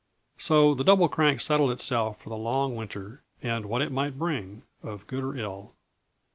So the Double Crank settled itself for the long winter and what it might bring of good or ill.